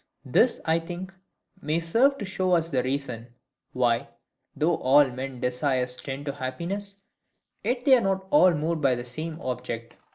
This, I think, may serve to show us the reason, why, though all men's desires tend to happiness, yet they are not moved by the same object.